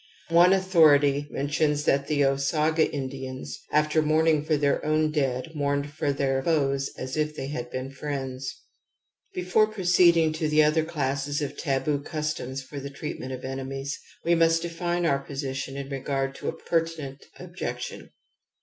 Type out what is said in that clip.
One authority mentions that the Osaga Indians after mourning for their own dead mourned for their foes as if they had been friends ^®. Before proceeding to the other classes of taboo customs for the treatment of enemies, we must define our position in regard to a pertinent objection.